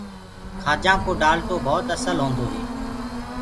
کآجآنٚ ڪو ڊآلٽو ڀوت اسل هوندو هي۔